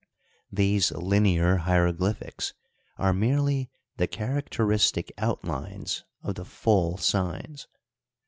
These linear hieroglyphics are merely the characteristic outlines of the full signs.